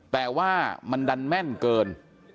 แต่ว่ามันดันแม่นเกิน